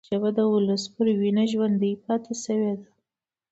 ژبه د ولس پر وینه ژوندي پاتې شوې ده